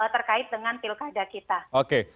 terkait dengan pilkada kita